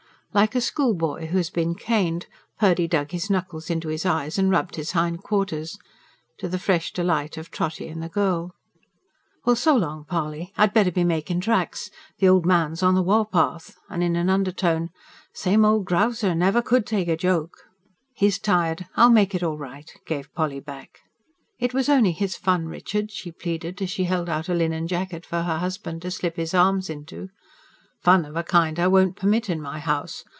Like a schoolboy who has been caned, Purdy dug his knuckles into his eyes and rubbed his hindquarters to the fresh delight of Trotty and the girl. "Well, so long, Polly! I'd better be making tracks. The old man's on the warpath." And in an undertone: "Same old grouser! Never COULD take a joke." "He's tired. I'll make it all right," gave Polly back. "It was only his fun, Richard," she pleaded, as she held out a linen jacket for her husband to slip his arms into. "Fun of a kind I won't permit in my house.